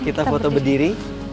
kita foto berdiri